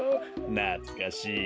なつかしいなあ。